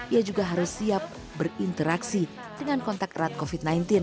ia juga harus siap berinteraksi dengan kontak erat covid sembilan belas